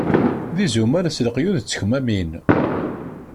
D izumal s leqyud d tekmamin!